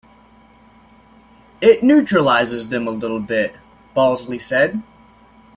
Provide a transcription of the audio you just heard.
"It neutralizes them a little bit," Balsley said.